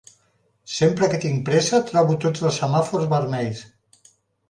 Sempre que tinc pressa trobo tots els semàfors vermells.